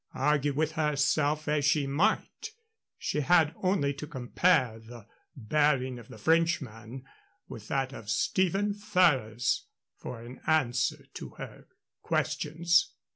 Argue with herself as she might, she had only to compare the bearing of the Frenchman with that of Stephen Ferrers for an answer to her questions.